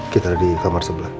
kita ada di kamar sebelah